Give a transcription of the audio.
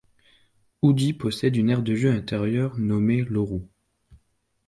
Oodi possède une aire de jeux intérieure nommée Loru.